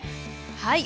はい。